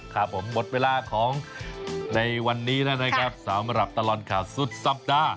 ครับผมหมดเวลาของในวันนี้แล้วนะครับสำหรับตลอดข่าวสุดสัปดาห์